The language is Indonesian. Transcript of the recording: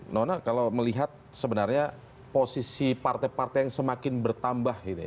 nona kalau melihat sebenarnya posisi partai partai yang semakin bertambah gitu ya